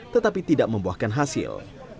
tetapi tidak membuahkan hasil